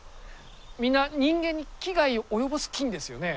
みんな人間に危害を及ぼす菌ですよね。